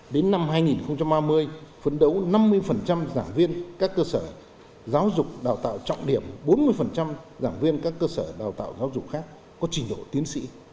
đến năm hai nghìn ba mươi phấn đấu năm mươi giảng viên các cơ sở giáo dục đào tạo trọng điểm bốn mươi giảng viên các cơ sở đào tạo giáo dục khác có trình độ tiến sĩ